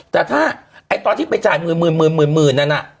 แต่ถ้าไอ้ตอนที่ไปจ่ายหมื่น